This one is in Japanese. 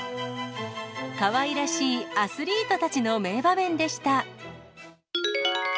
かわいらしいアスリートたちの名場面でした。